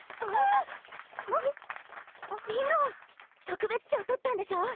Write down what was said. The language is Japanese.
特別賞取ったんでしょ？